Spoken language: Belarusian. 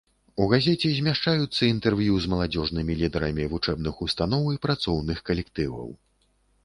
У газеце змяшчаюцца інтэрв'ю з маладзёжнымі лідарамі вучэбных устаноў і працоўных калектываў.